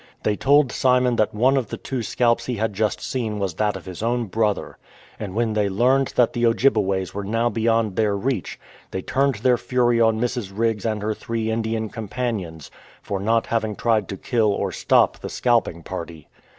They told Simon that one of the two scalps he had just seen was that of his own brother ; and when they learned that the Ojjibeways were now beyond their reach, they turned their fury on Mrs. Riggs and her three Indian companions for not having tried to kill or stop the scalping party.